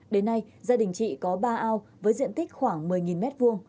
đến nay gia đình chị có ba ao với diện tích khoảng một mươi m hai